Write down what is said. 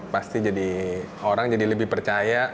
pasti jadi orang jadi lebih percaya